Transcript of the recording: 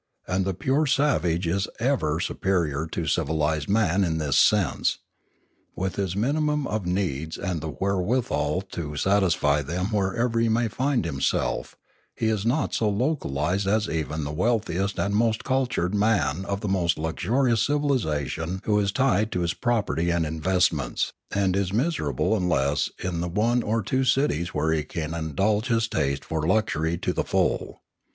And the pure savage is ever superior to civilised man in this sense; with his minimum of needs and the wherewithal to satisfy them wherever he may find himself, he is not so localised as even the wealthiest and most cultured man of the most luxurious civilisations who is tied to his property and investments, and is miserable unless in the one or two cities where he can indulge his taste for luxury to the full.